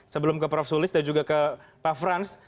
sebelum ke prof sulis dan juga ke pak frans